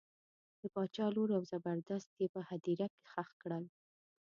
د باچا لور او زبردست یې په هدیره کې ښخ کړل.